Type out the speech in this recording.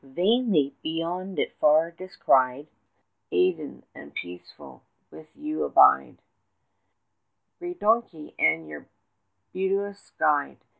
Vainly, beyond it far descried, Adieu, and peace with you abide, Grey donkey, and your beauteous guide.